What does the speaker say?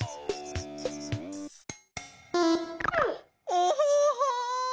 オホホ！